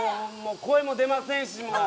声も出ませんし、もう。